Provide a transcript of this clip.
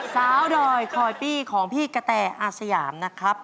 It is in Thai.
สาวดอยคอยปี้ของพี่กะแตอาสยามนะครับ